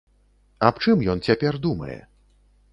Аб чым ён цяпер думае?